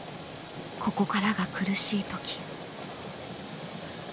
ここからが苦しい時。